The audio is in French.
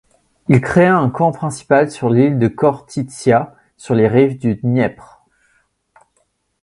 Il créa un camp principal sur l'île de Khortytsia sur les rives du Dniepr.